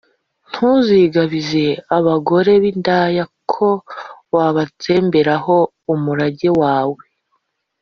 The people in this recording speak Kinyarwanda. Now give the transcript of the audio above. Ntuzigabize abagore b’indaya, Ko wabatsemberaho umurage wawe